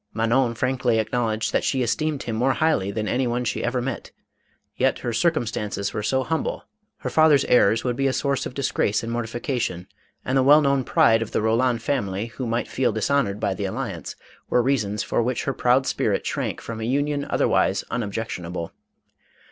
Manon frankly acknowledged that she esteemed him more highly than any one she ever met, yet her circumstances were so humble, her father's 492 MADAME KOLAND. errors would be a source of disgrace and mortification, and the well known pride of the Roland family, who might feel dishonored by the alliance, were reasons for which her proud spirit shrank from a union otherwise unobjectionable.